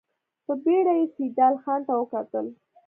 په بېړه يې سيدال خان ته وکتل.